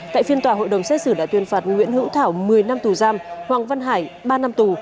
tại phiên tòa hội đồng xét xử đã tuyên phạt nguyễn hữu thảo một mươi năm tù giam hoàng văn hải ba năm tù